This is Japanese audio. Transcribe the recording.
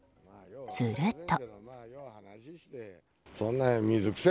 すると。